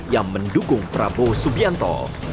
yang mendukung prabowo subianto